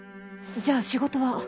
じゃあ仕事は？